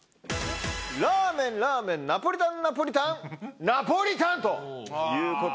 「ラーメン」「ラーメン」「ナポリタン」「ナポリタン」「ナポリタン」ということで。